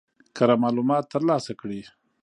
کره معلومات ترلاسه کړي.